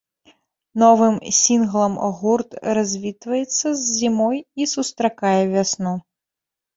Новым сінглам гурт развітваецца з зімой і сустракае вясну.